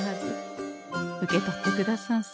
受け取ってくださんせ。